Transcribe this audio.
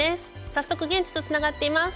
早速現地とつながっています。